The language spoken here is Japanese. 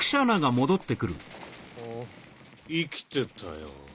あ生きてたよ。